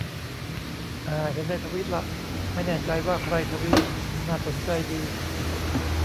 อ่า เห็นในทวีตละ ไม่แน่ใจว่าใครทวีต น่าสนใจดี